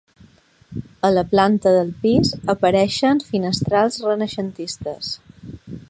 A la planta del pis apareixen finestrals renaixentistes.